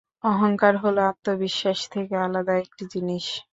অহংকার হল আত্মবিশ্বাস থেকে আলাদা একটি জিনিস।